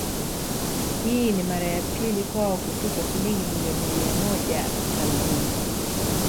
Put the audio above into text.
Hii ni mara ya pili kwao kutupa Shilingi milioni mia moja za ubingwa